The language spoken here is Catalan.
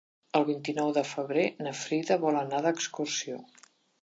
El vint-i-nou de febrer na Frida vol anar d'excursió.